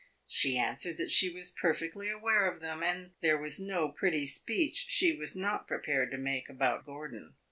She answered that she was perfectly aware of them, and there was no pretty speech she was not prepared to make about Gordon.